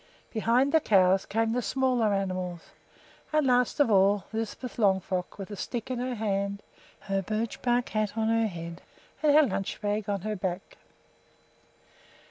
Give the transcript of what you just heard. Behind the cows came the smaller animals, and, last of all, Lisbeth Longfrock with a stick in her hand, her birch bark hat on her head, and her lunch bag on her back.